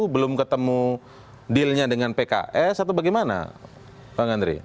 belum ketemu deal nya dengan pks atau bagaimana pak ghandri